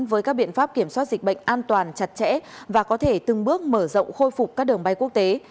với các biện pháp kiểm soát dịch bệnh an toàn chặt chẽ và có thể từng bước mở rộng khôi phục các đường bay quốc tế